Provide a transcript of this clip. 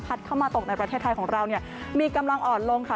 เข้ามาตกในประเทศไทยของเราเนี่ยมีกำลังอ่อนลงค่ะ